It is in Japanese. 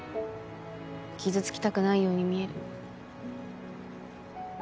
傷つきたくないように見える。